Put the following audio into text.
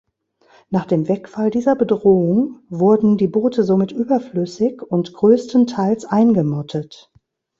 Nach dem Wegfall dieser Bedrohung wurden die Boote somit überflüssig und größtenteils eingemottet.